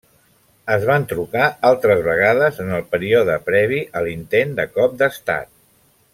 Es van trucar altres vegades en el període previ a l'intent de cop d'Estat.